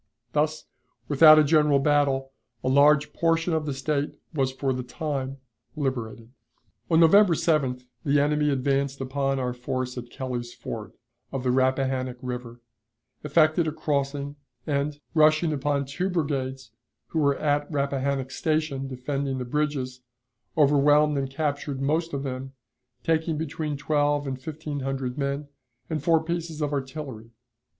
Thus, without a general battle, a large portion of the State was for the time liberated. On November 7th the enemy advanced upon our force at Kelly's Ford, of the Rappahannock River, effected a crossing, and, rushing upon two brigades who were at Rappahannock Station defending the bridges, overwhelmed and captured most of them, taking between twelve and fifteen hundred men, and four pieces of artillery.